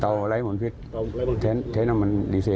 เตาไร้หมดพิษใช้น้ำมันดีเซล